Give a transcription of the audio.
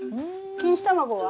錦糸卵は？